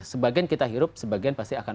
sebagian kita hirup sebagian pasti akan